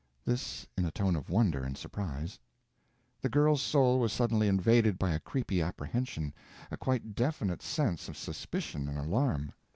This in a tone of wonder and surprise. The girl's soul was suddenly invaded by a creepy apprehension, a quite definite sense of suspicion and alarm.